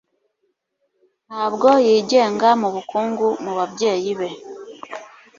Ntabwo yigenga mubukungu mubabyeyi be.